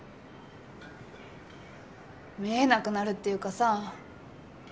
見えなくなるっていうかさ